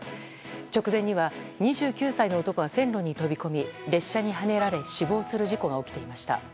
直前には、２９歳の男が線路に飛び込み、列車にはねられ死亡する事故が起きていました。